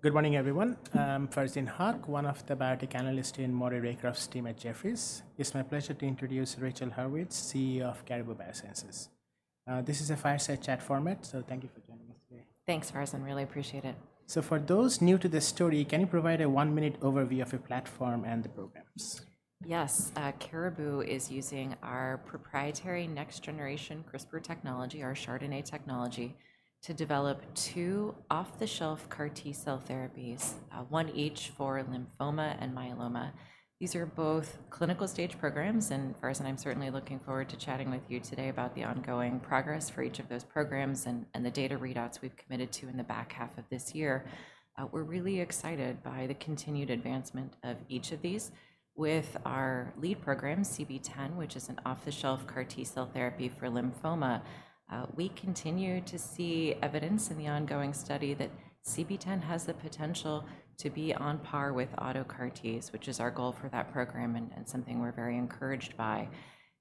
Good morning, everyone. I'm Farzin Haque, 1 of the biotech analysts in Moray Macrae team at Jefferies. It's my pleasure to introduce Rachel Haurwitz, CEO of Caribou Biosciences. This is a fireside chat format, so thank you for joining us today. Thanks, Farzan. Really appreciate it. For those new to the story, can you provide a one-minute overview of your platform and the programs? Yes. Caribou is using our proprietary next-generation CRISPR technology, our chRDNA technology, to develop two off-the-shelf CAR-T cell therapies, one each for lymphoma and myeloma. These are both clinical-stage programs, and Farzan, I'm certainly looking forward to chatting with you today about the ongoing progress for each of those programs and the data readouts we've committed to in the back half of this year. We're really excited by the continued advancement of each of these. With our lead program, CB-010, which is an off-the-shelf CAR-T cell therapy for lymphoma, we continue to see evidence in the ongoing study that CB-010 has the potential to be on par with auto CAR-Ts, which is our goal for that program and something we're very encouraged by.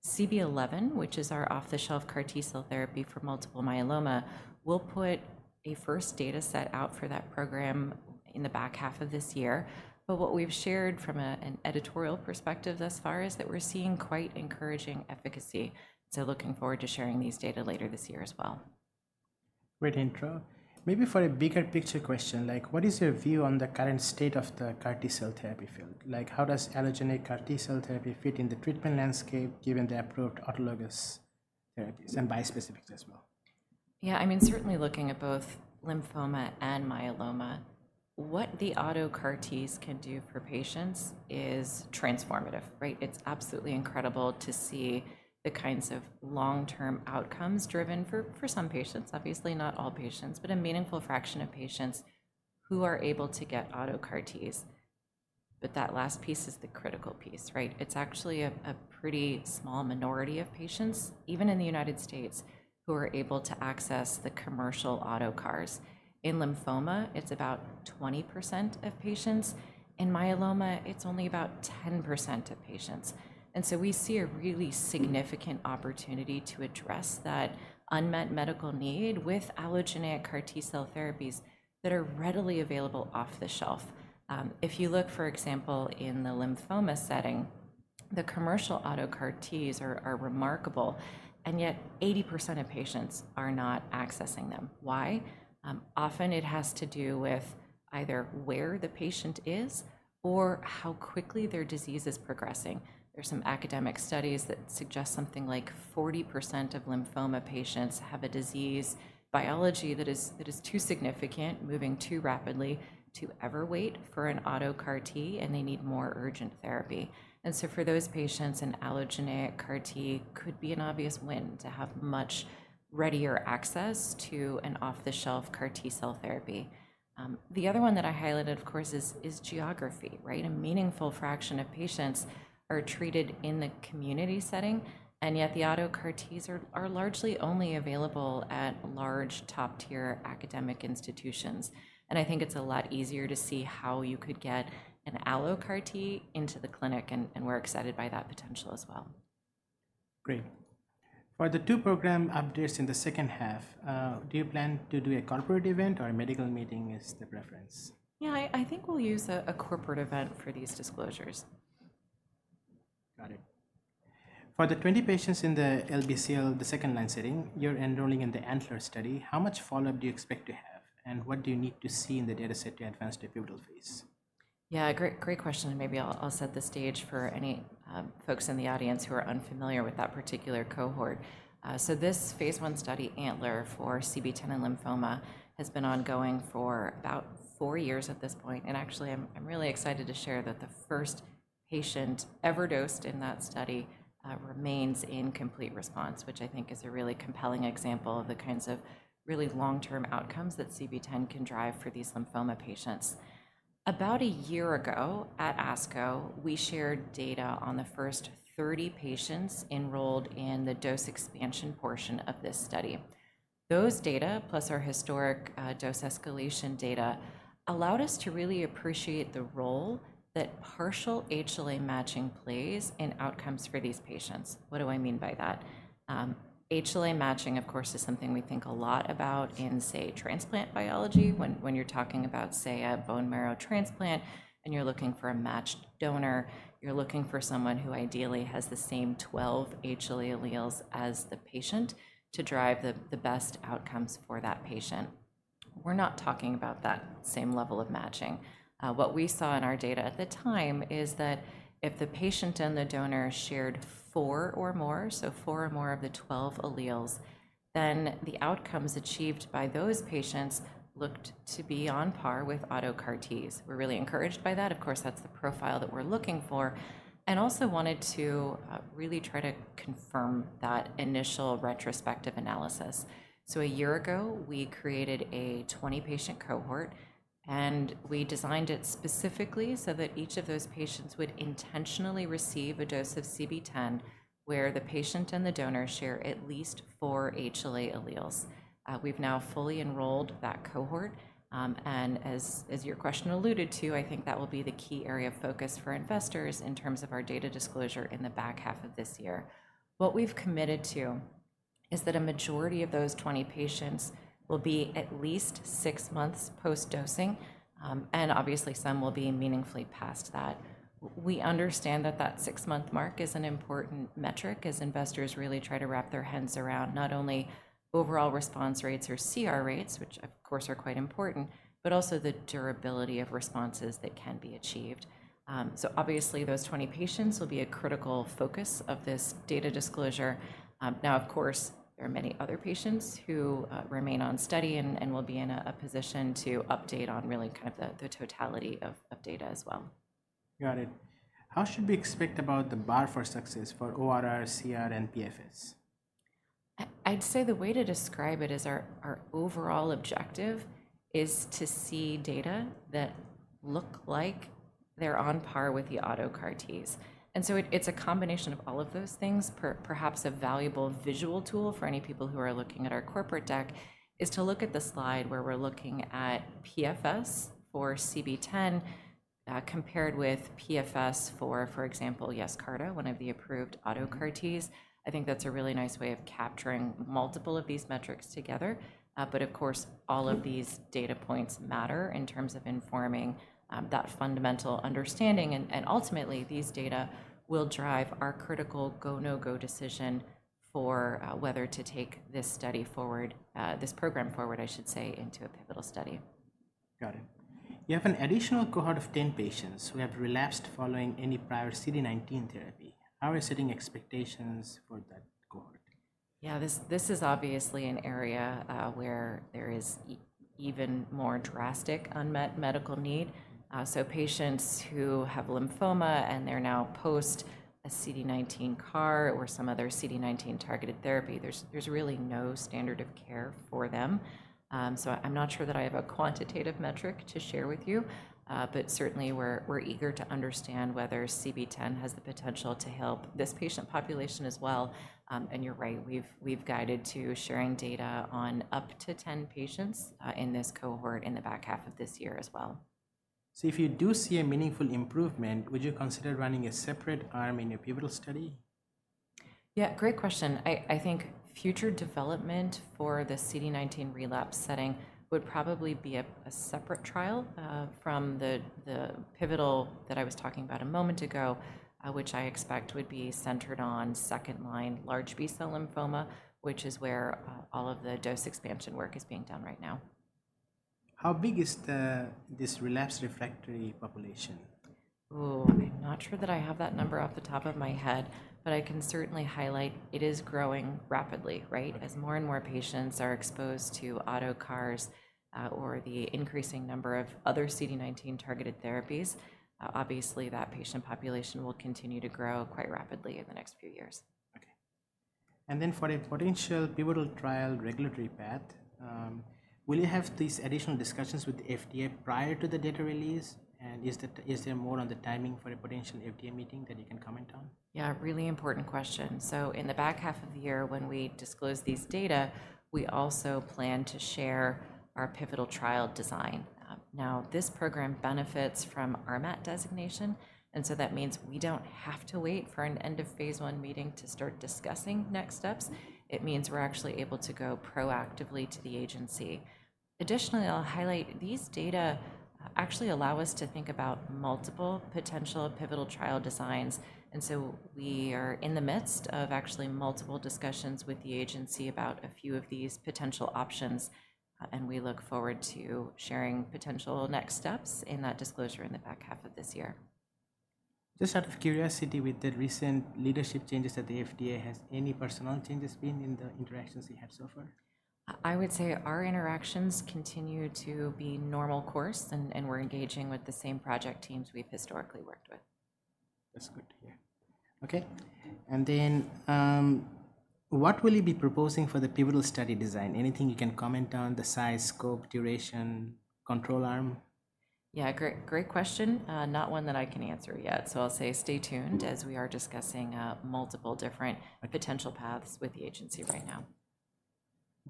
CB-011, which is our off-the-shelf CAR-T cell therapy for multiple myeloma, will put a first data set out for that program in the back half of this year. What we've shared from an editorial perspective thus far is that we're seeing quite encouraging efficacy. Looking forward to sharing these data later this year as well. Great intro. Maybe for a bigger picture question, like, what is your view on the current state of the CAR-T cell therapy field? Like, how does allogeneic CAR-T cell therapy fit in the treatment landscape given the approved autologous therapies and bispecifics as well? Yeah, I mean, certainly looking at both lymphoma and myeloma, what the auto CAR-Ts can do for patients is transformative, right? It's absolutely incredible to see the kinds of long-term outcomes driven for some patients, obviously not all patients, but a meaningful fraction of patients who are able to get auto CAR-Ts. That last piece is the critical piece, right? It's actually a pretty small minority of patients, even in the U.S., who are able to access the commercial auto CARs. In lymphoma, it's about 20% of patients. In myeloma, it's only about 10% of patients. We see a really significant opportunity to address that unmet medical need with allogeneic CAR-T cell therapies that are readily available off the shelf. If you look, for example, in the lymphoma setting, the commercial auto CAR-Ts are remarkable, and yet 80% of patients are not accessing them. Why? Often, it has to do with either where the patient is or how quickly their disease is progressing. There are some academic studies that suggest something like 40% of lymphoma patients have a disease biology that is too significant, moving too rapidly to ever wait for an auto CAR-T, and they need more urgent therapy. For those patients, an allogeneic CAR-T could be an obvious win to have much readier access to an off-the-shelf CAR-T cell therapy. The other 1 that I highlighted, of course, is geography, right? A meaningful fraction of patients are treated in the community setting, and yet the auto CAR-Ts are largely only available at large, top-tier academic institutions. I think it's a lot easier to see how you could get an allo CAR-T into the clinic, and we're excited by that potential as well. Great. For the 2 program updates in the second half, do you plan to do a corporate event or a medical meeting is the preference? Yeah, I think we'll use a corporate event for these disclosures. Got it. For the 20 patients in the LBCL, the second line setting, you're enrolling in the ANTLER study. How much follow-up do you expect to have, and what do you need to see in the data set to advance to the pivotal phase? Yeah, great question. Maybe I'll set the stage for any folks in the audience who are unfamiliar with that particular cohort. This phase I study, ANTLER, for CB-010 in lymphoma has been ongoing for about 4 years at this point. Actually, I'm really excited to share that the first patient ever dosed in that study remains in complete response, which I think is a really compelling example of the kinds of really long-term outcomes that CB-010 can drive for these lymphoma patients. About a year ago at ASCO, we shared data on the first 30 patients enrolled in the dose expansion portion of this study. Those data, plus our historic dose escalation data, allowed us to really appreciate the role that partial HLA matching plays in outcomes for these patients. What do I mean by that? HLA matching, of course, is something we think a lot about in, say, transplant biology. When you're talking about, say, a bone marrow transplant and you're looking for a matched donor, you're looking for someone who ideally has the same 12 HLA alleles as the patient to drive the best outcomes for that patient. We're not talking about that same level of matching. What we saw in our data at the time is that if the patient and the donor shared 4 or more, so 4 or more of the 12 alleles, then the outcomes achieved by those patients looked to be on par with auto CAR-Ts. We're really encouraged by that. Of course, that's the profile that we're looking for, and also wanted to really try to confirm that initial retrospective analysis. A year ago, we created a 20-patient cohort, and we designed it specifically so that each of those patients would intentionally receive a dose of CB-010 where the patient and the donor share at least 4 HLA alleles. We've now fully enrolled that cohort. As your question alluded to, I think that will be the key area of focus for investors in terms of our data disclosure in the back half of this year. What we've committed to is that a majority of those 20 patients will be at least six months post-dosing, and obviously, some will be meaningfully past that. We understand that that six-month mark is an important metric as investors really try to wrap their heads around not only overall response rates or CR rates, which of course are quite important, but also the durability of responses that can be achieved. Obviously, those 20 patients will be a critical focus of this data disclosure. Now, of course, there are many other patients who remain on study and will be in a position to update on really kind of the totality of data as well. Got it. How should we expect about the bar for success for ORR, CR, and PFS? I'd say the way to describe it is our overall objective is to see data that look like they're on par with the auto CAR-Ts. It's a combination of all of those things. Perhaps a valuable visual tool for any people who are looking at our corporate deck is to look at the slide where we're looking at PFS for CB-010 compared with PFS for, for example, Yescarta, 1 of the approved auto CAR-Ts. I think that's a really nice way of capturing multiple of these metrics together. Of course, all of these data points matter in terms of informing that fundamental understanding. Ultimately, these data will drive our critical go-no-go decision for whether to take this study forward, this program forward, I should say, into a pivotal study. Got it. You have an additional cohort of 10 patients who have relapsed following any prior CD19 therapy. How are you setting expectations for that cohort? Yeah, this is obviously an area where there is even more drastic unmet medical need. Patients who have lymphoma and they're now post a CD19 CAR or some other CD19 targeted therapy, there's really no standard of care for them. I'm not sure that I have a quantitative metric to share with you, but certainly, we're eager to understand whether CB-010 has the potential to help this patient population as well. You're right, we've guided to sharing data on up to 10 patients in this cohort in the back half of this year as well. If you do see a meaningful improvement, would you consider running a separate arm in your pivotal study? Yeah, great question. I think future development for the CD19 relapse setting would probably be a separate trial from the pivotal that I was talking about a moment ago, which I expect would be centered on second line large B-cell lymphoma, which is where all of the dose expansion work is being done right now. How big is this relapse refractory population? Oh, I'm not sure that I have that number off the top of my head, but I can certainly highlight it is growing rapidly, right? As more and more patients are exposed to auto CARs or the increasing number of other CD19 targeted therapies, obviously, that patient population will continue to grow quite rapidly in the next few years. Okay. For a potential pivotal trial regulatory path, will you have these additional discussions with the FDA prior to the data release? Is there more on the timing for a potential FDA meeting that you can comment on? Yeah, really important question. In the back half of the year when we disclose these data, we also plan to share our pivotal trial design. Now, this program benefits from RMAT designation, and that means we do not have to wait for an end of phase I meeting to start discussing next steps. It means we are actually able to go proactively to the agency. Additionally, I will highlight these data actually allow us to think about multiple potential pivotal trial designs. We are in the midst of actually multiple discussions with the agency about a few of these potential options, and we look forward to sharing potential next steps in that disclosure in the back half of this year. Just out of curiosity, with the recent leadership changes at the FDA, has any personal changes been in the interactions you had so far? I would say our interactions continue to be normal course, and we're engaging with the same project teams we've historically worked with. That's good to hear. Okay. What will you be proposing for the pivotal study design? Anything you can comment on, the size, scope, duration, control arm? Yeah, great question. Not 1 that I can answer yet. I'll say stay tuned as we are discussing multiple different potential paths with the agency right now.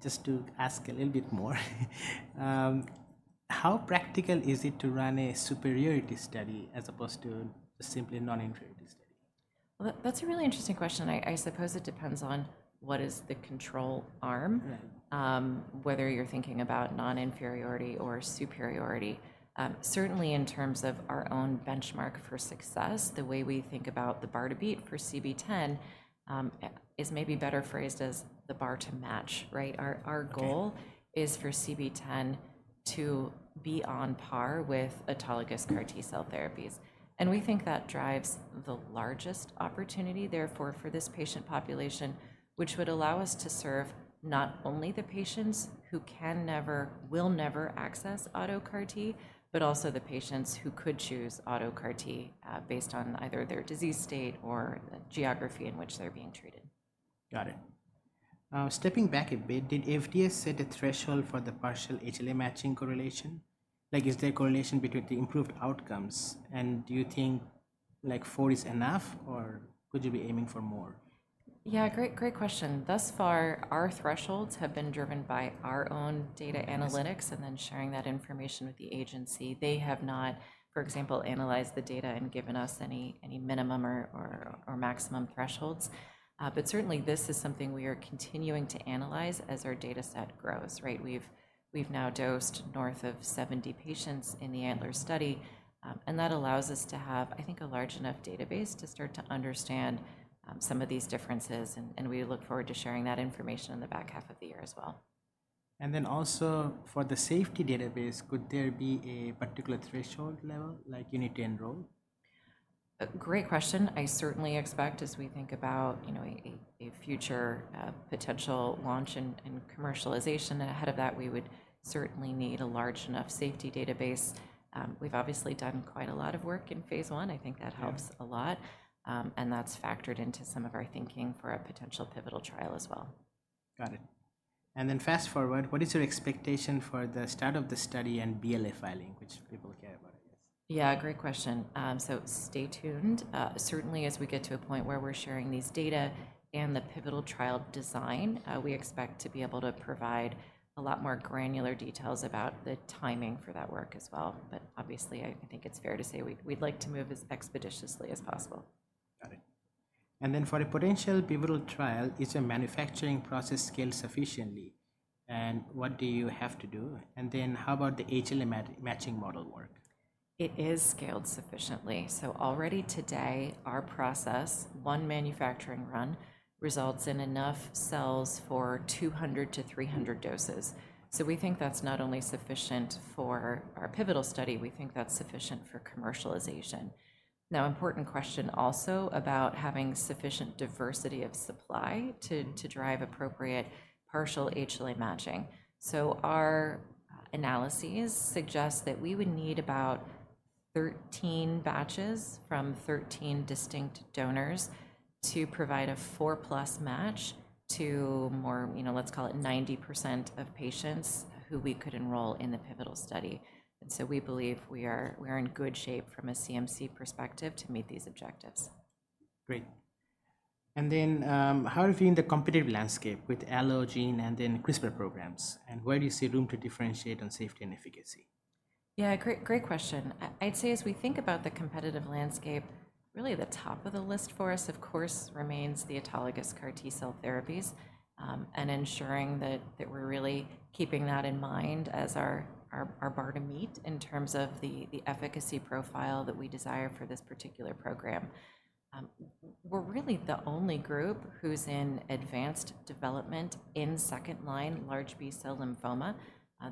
Just to ask a little bit more, how practical is it to run a superiority study as opposed to simply a non-inferiority study? That's a really interesting question. I suppose it depends on what is the control arm, whether you're thinking about non-inferiority or superiority. Certainly, in terms of our own benchmark for success, the way we think about the bar to beat for CB-010 is maybe better phrased as the bar to match, right? Our goal is for CB-010 to be on par with autologous CAR-T cell therapies. We think that drives the largest opportunity therefore for this patient population, which would allow us to serve not only the patients who can never, will never access auto CAR-T, but also the patients who could choose auto CAR-T based on either their disease state or the geography in which they're being treated. Got it. Stepping back a bit, did FDA set a threshold for the partial HLA matching correlation? Like, is there a correlation between the improved outcomes, and do you think like 4 is enough, or would you be aiming for more? Yeah, great question. Thus far, our thresholds have been driven by our own data analytics and then sharing that information with the agency. They have not, for example, analyzed the data and given us any minimum or maximum thresholds. Certainly, this is something we are continuing to analyze as our data set grows, right? We've now dosed north of 70 patients in the ANTLER study, and that allows us to have, I think, a large enough database to start to understand some of these differences. We look forward to sharing that information in the back half of the year as well. For the safety database, could there be a particular threshold level like you need to enroll? Great question. I certainly expect as we think about a future potential launch and commercialization ahead of that, we would certainly need a large enough safety database. We've obviously done quite a lot of work in phase I. I think that helps a lot, and that's factored into some of our thinking for a potential pivotal trial as well. Got it. Fast forward, what is your expectation for the start of the study and BLA filing, which people care about, I guess? Yeah, great question. Stay tuned. Certainly, as we get to a point where we're sharing these data and the pivotal trial design, we expect to be able to provide a lot more granular details about the timing for that work as well. Obviously, I think it's fair to say we'd like to move as expeditiously as possible. Got it. For a potential pivotal trial, is your manufacturing process scaled sufficiently? What do you have to do? How about the HLA matching model work? It is scaled sufficiently. Already today, our process, one manufacturing run, results in enough cells for 200-300 doses. We think that's not only sufficient for our pivotal study, we think that's sufficient for commercialization. An important question also about having sufficient diversity of supply to drive appropriate partial HLA matching. Our analyses suggest that we would need about 13 batches from 13 distinct donors to provide a 4-plus match to more, let's call it 90% of patients who we could enroll in the pivotal study. We believe we are in good shape from a CMC perspective to meet these objectives. Great. How do you feel in the competitive landscape with Allogene and then CRISPR programs? Where do you see room to differentiate on safety and efficacy? Yeah, great question. I'd say as we think about the competitive landscape, really the top of the list for us, of course, remains the autologous CAR-T cell therapies and ensuring that we're really keeping that in mind as our bar to meet in terms of the efficacy profile that we desire for this particular program. We're really the only group who's in advanced development in second line large B-cell lymphoma.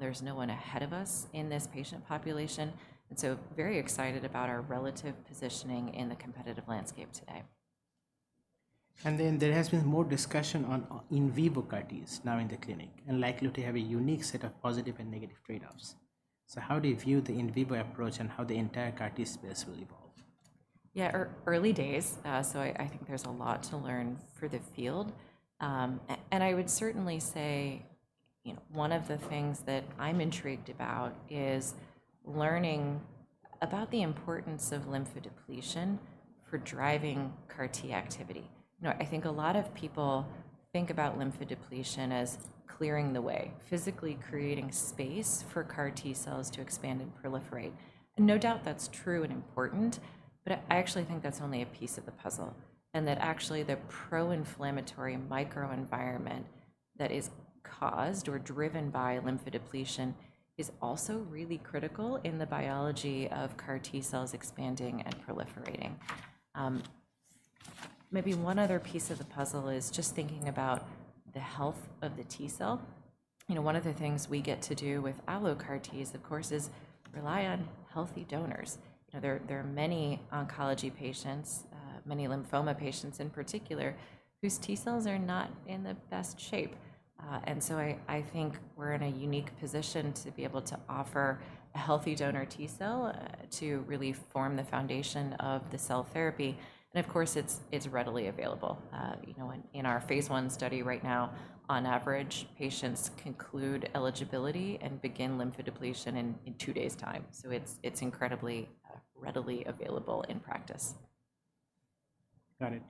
There's no 1 ahead of us in this patient population. Very excited about our relative positioning in the competitive landscape today. There has been more discussion on in vivo CAR-Ts now in the clinic and likely to have a unique set of positive and negative trade-offs. How do you view the in vivo approach and how the entire CAR-T space will evolve? Yeah, early days. I think there's a lot to learn for the field. I would certainly say 1 of the things that I'm intrigued about is learning about the importance of lymphodepletion for driving CAR-T activity. I think a lot of people think about lymphodepletion as clearing the way, physically creating space for CAR-T cells to expand and proliferate. No doubt that's true and important, but I actually think that's only a piece of the puzzle and that actually the pro-inflammatory microenvironment that is caused or driven by lymphodepletion is also really critical in the biology of CAR-T cells expanding and proliferating. Maybe one other piece of the puzzle is just thinking about the health of the T cell. 1 of the things we get to do with allogeneic CAR-Ts, of course, is rely on healthy donors. There are many oncology patients, many lymphoma patients in particular, whose T cells are not in the best shape. I think we're in a unique position to be able to offer a healthy donor T cell to really form the foundation of the cell therapy. Of course, it's readily available. In our phase I study right now, on average, patients conclude eligibility and begin lymphodepletion in two days' time. It's incredibly readily available in practice. Got it.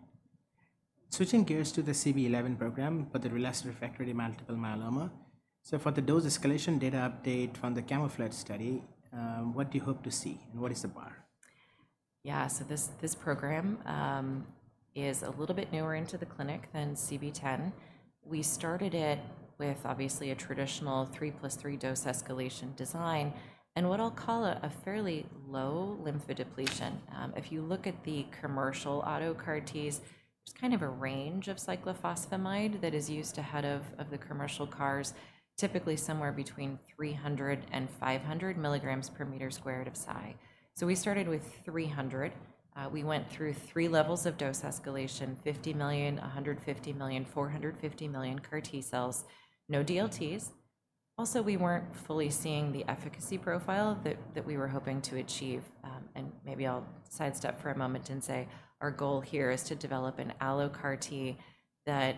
Switching gears to the CB-011 program for the relapsed/refractory multiple myeloma. For the dose escalation data update from the CaMMouflage study, what do you hope to see and what is the bar? Yeah, so this program is a little bit newer into the clinic than CB-010. We started it with obviously traditional 3 plus 3 dose escalation design and what I'll call a fairly low lymphodepletion. If you look at the commercial autologous CAR-Ts, there's kind of a range of cyclophosphamide that is used ahead of the commercial CARs, typically somewhere between 300-500 mg per meter squared of Cy. We started with 300. We went through three levels of dose escalation, 50 million, 150 million, 450 million CAR-T cells, no DLTs. Also, we weren't fully seeing the efficacy profile that we were hoping to achieve. Maybe I'll sidestep for a moment and say our goal here is to develop an allogeneic CAR-T that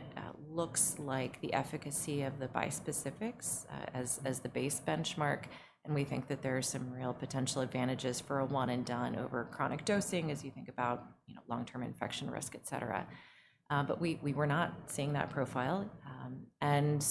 looks like the efficacy of the bispecifics as the base benchmark. We think that there are some real potential advantages for a one-and-done over chronic dosing as you think about long-term infection risk, et cetera. We were not seeing that profile.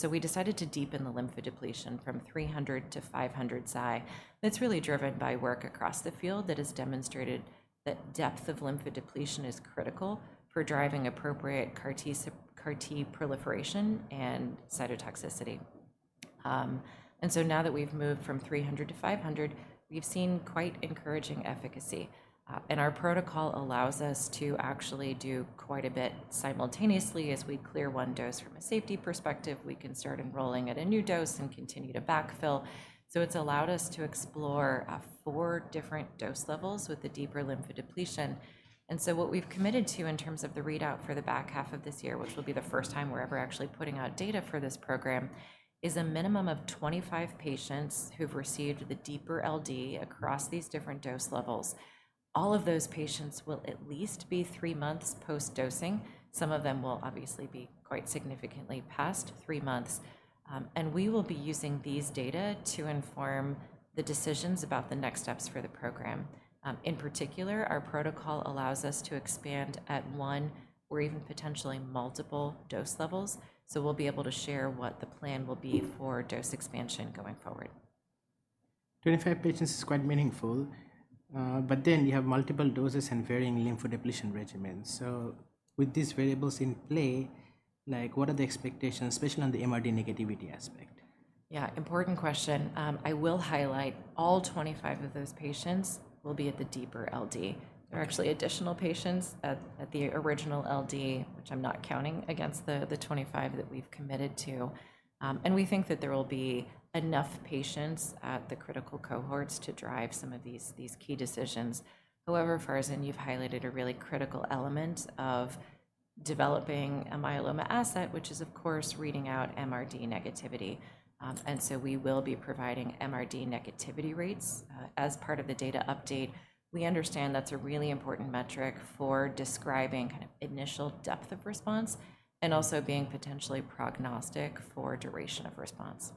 We decided to deepen the lymphodepletion from 300 to 500 mg/m². that is really driven by work across the field that has demonstrated that depth of lymphodepletion is critical for driving appropriate CAR-T proliferation and cytotoxicity. Now that we have moved from 300 to 500, we have seen quite encouraging efficacy. Our protocol allows us to actually do quite a bit simultaneously. As we clear 1 dose from a safety perspective, we can start enrolling at a new dose and continue to backfill. It has allowed us to explore 4 different dose levels with the deeper lymphodepletion. What we've committed to in terms of the readout for the back half of this year, which will be the first time we're ever actually putting out data for this program, is a minimum of 25 patients who've received the deeper LD across these different dose levels. All of those patients will at least be 3 months post-dosing. Some of them will obviously be quite significantly past 3 months. We will be using these data to inform the decisions about the next steps for the program. In particular, our protocol allows us to expand at 1 or even potentially multiple dose levels. We will be able to share what the plan will be for dose expansion going forward. Twenty-five patients is quite meaningful, but then you have multiple doses and varying lymphodepletion regimens. With these variables in play, what are the expectations, especially on the MRD negativity aspect? Yeah, important question. I will highlight all 25 of those patients will be at the deeper LD. There are actually additional patients at the original LD, which I'm not counting against the 25 that we've committed to. We think that there will be enough patients at the critical cohorts to drive some of these key decisions. However, Farzan, you've highlighted a really critical element of developing a myeloma asset, which is of course reading out MRD negativity. We will be providing MRD negativity rates as part of the data update. We understand that's a really important metric for describing kind of initial depth of response and also being potentially prognostic for duration of response.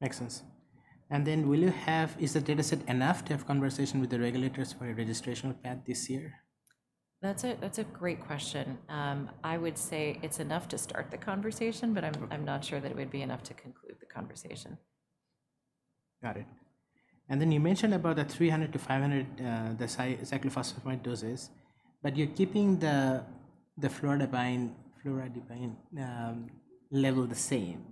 Makes sense. Will you have, is the data set enough to have conversation with the regulators for a registration path this year? That's a great question. I would say it's enough to start the conversation, but I'm not sure that it would be enough to conclude the conversation. Got it. You mentioned about the 300-500 cyclophosphamide doses, but you're keeping the fludarabine level the same.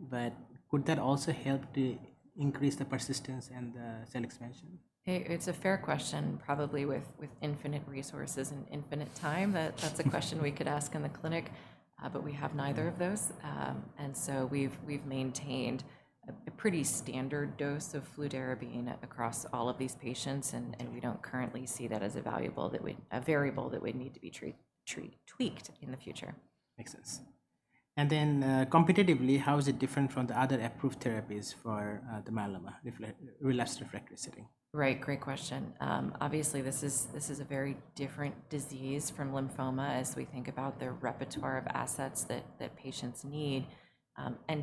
Could that also help to increase the persistence and the cell expansion? It's a fair question, probably with infinite resources and infinite time. That's a question we could ask in the clinic, but we have neither of those. We have maintained a pretty standard dose of fludarabine across all of these patients, and we do not currently see that as a variable that would need to be tweaked in the future. Makes sense. And then competitively, how is it different from the other approved therapies for the myeloma relapsed/refractory setting? Right, great question. Obviously, this is a very different disease from lymphoma as we think about the repertoire of assets that patients need.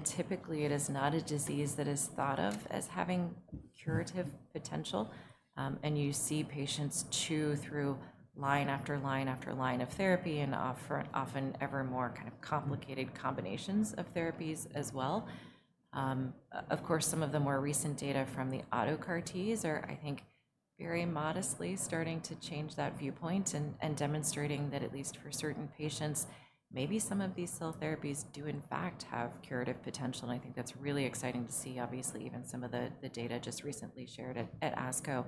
Typically, it is not a disease that is thought of as having curative potential. You see patients chew through line after line after line of therapy and often ever more kind of complicated combinations of therapies as well. Of course, some of the more recent data from the autologous CAR-Ts are, I think, very modestly starting to change that viewpoint and demonstrating that at least for certain patients, maybe some of these cell therapies do in fact have curative potential. I think that's really exciting to see, obviously, even some of the data just recently shared at ASCO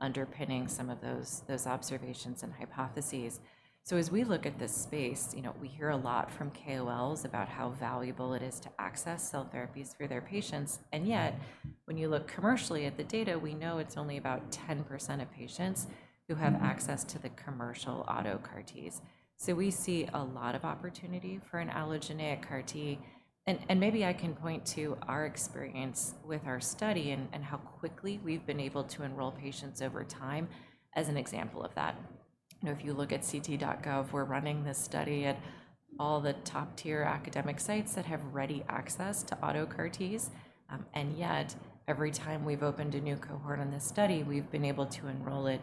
underpinning some of those observations and hypotheses. As we look at this space, we hear a lot from KOLs about how valuable it is to access cell therapies for their patients. Yet, when you look commercially at the data, we know it's only about 10% of patients who have access to the commercial autologous CAR-Ts. We see a lot of opportunity for an allogeneic CAR-T. Maybe I can point to our experience with our study and how quickly we've been able to enroll patients over time as an example of that. If you look at ct.gov, we're running this study at all the top-tier academic sites that have ready access to autologous CAR-Ts. Yet, every time we've opened a new cohort on this study, we've been able to enroll it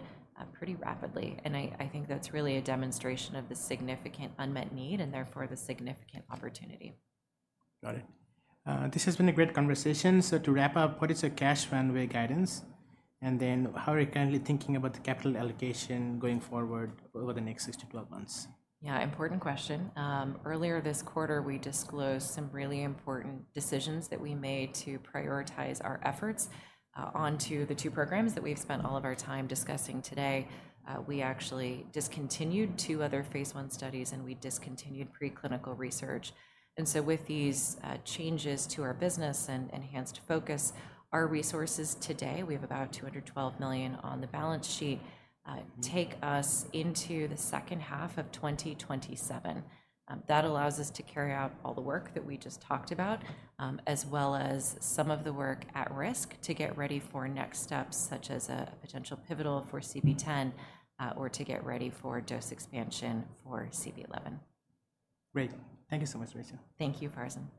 pretty rapidly. I think that's really a demonstration of the significant unmet need and therefore the significant opportunity. Got it. This has been a great conversation. To wrap up, what is your cash runway guidance? How are you currently thinking about the capital allocation going forward over the next 6 to 12 months? Yeah, important question. Earlier this quarter, we disclosed some really important decisions that we made to prioritize our efforts onto the 2 programs that we've spent all of our time discussing today. We actually discontinued 2 other phase I studies and we discontinued preclinical research. With these changes to our business and enhanced focus, our resources today, we have about $212 million on the balance sheet, take us into the second half of 2027. That allows us to carry out all the work that we just talked about, as well as some of the work at risk to get ready for next steps, such as a potential pivotal for CB-010 or to get ready for dose expansion for CB-011. Great. Thank you so much, Rachel. Thank you, Farzan.